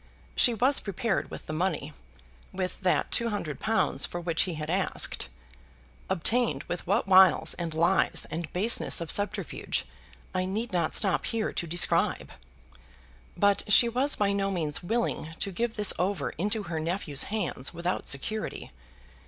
She was prepared with the money, with that two hundred pounds for which he had asked, obtained with what wiles, and lies, and baseness of subterfuge I need not stop here to describe. But she was by no means willing to give this over into her nephew's hands without security.